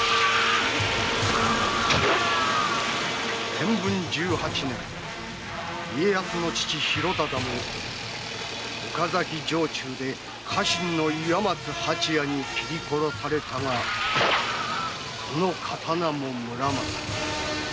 天文十八年家康の父広忠も岡崎城中で家臣の岩松八弥に斬り殺されたがその刀も「村正」。